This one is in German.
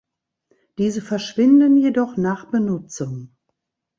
Diese verschwinden jedoch nach Benutzung.